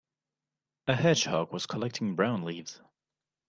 A hedgehog was collecting brown leaves.